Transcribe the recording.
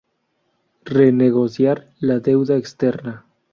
Renegociar la deuda externa.